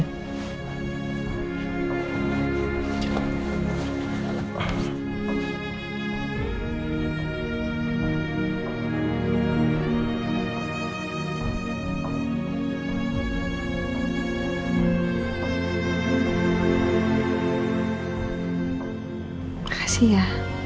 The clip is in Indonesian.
terima kasih ya